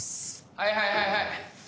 はいはいはいはい。